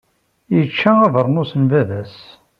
Yečča abernus n baba-s.